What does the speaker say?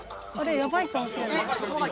やばいかもしれない。